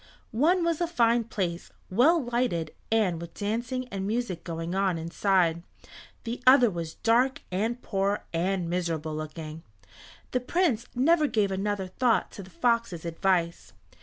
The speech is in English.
One was a fine place, well lighted, and with dancing and music going on inside. The other was dark and poor and miserable looking. The Prince never gave another thought to the fox's advice.